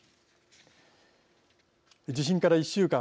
地震から１週間。